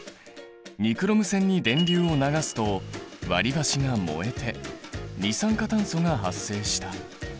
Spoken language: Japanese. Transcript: ニクロム線に電流を流すと割りばしが燃えて二酸化炭素が発生した。